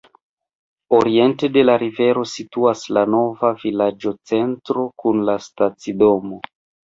Oriente de la rivero situas la nova vilaĝocentro kun la stacidomo.